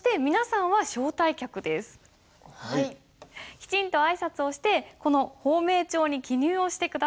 きちんと挨拶をしてこの芳名帳に記入をして下さい。